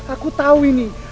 aku tahu ini